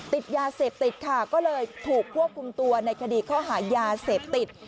ติดยาเสพติดค่ะก็เลยถูกควบคุมตัวในคดีข้อหายาเสพติด